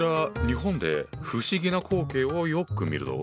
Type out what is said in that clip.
日本で不思議な光景をよく見るぞ。